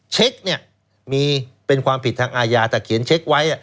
เช็คมีเป็นความผิดอะไรอ่าแต่เขียนเช็คไว้